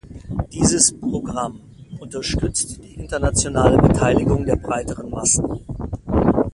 Dieses Programm unterstützt die internationale Beteiligung der breiteren Massen.